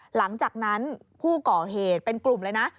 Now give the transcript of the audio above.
หลังจากนั้นผู้ก่อเหตุเป็นกลุ่มเลยนะ